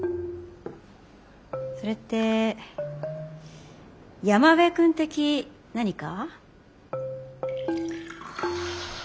それって山辺君的何か？